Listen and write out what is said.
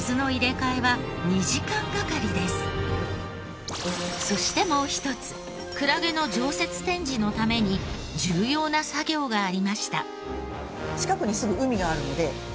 毎日そしてもう一つクラゲの常設展示のために重要な作業がありました。